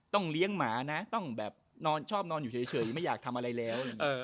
เลี้ยงหมานะต้องแบบนอนชอบนอนอยู่เฉยไม่อยากทำอะไรแล้ว